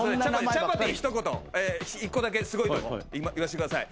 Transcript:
チャパティひと言１個だけすごいとこ言わせてください。